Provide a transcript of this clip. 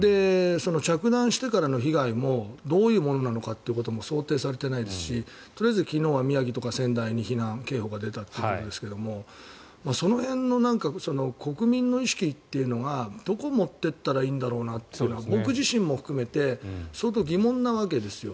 着弾してからの被害もどういうものなのかも想定されていないですし昨日は宮城、仙台などに避難警報が出たということですがその辺の国民の意識っていうのがどこに持っていったらいいんだろうっていうのが僕自身も含めて相当、疑問なわけですよ。